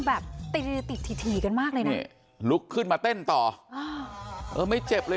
แบบติดทีกันมากเลยนี่ลุกขึ้นมาเต้นต่อเออไม่เจ็บเลย